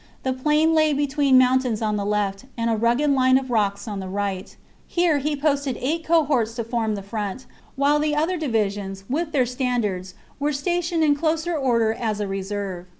The plain lay between mountains on the left, and a . rugged line of rocks on the right ; here he posted eight cohorts to form the front, while the other divi sions, with their standards, were stationed in closer order as a reserve.